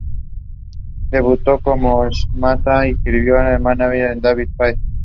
Debutó como "Samantha" y sirvió de mánager para David Flair.